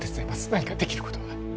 何かできることは？